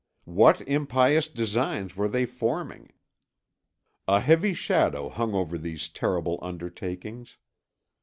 What impious designs were they forming? A heavy shadow hung over these terrible undertakings.